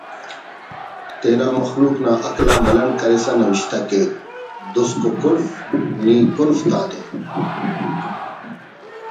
تینا مخلوق نا عقل آ ملنڈ کرسا نوشتہ کیک: دُز ککڑ نی کنف تا دے